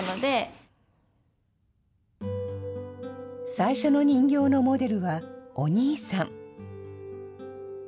最初の人形のモデルはお兄さん。